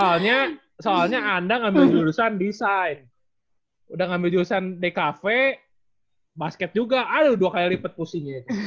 soalnya soalnya anda ngambil jurusan design udah ngambil jurusan dkv basket juga aduh dua kali lipet pusingnya